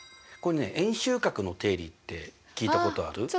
これね「円周角の定理」って聞いたことある？